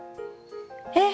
えっ！